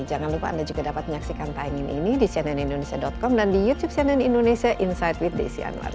jangan lupa anda juga dapat menyaksikan timing ini di channel indonesia com dan di youtube channel indonesia insight with desy anwar